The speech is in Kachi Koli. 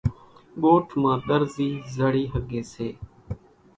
ڳوٺ مان ۮرزِي زڙِي ۿڳيَ سي۔